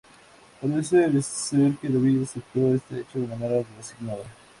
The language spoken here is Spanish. Parece ser que David aceptó este hecho de manera resignada.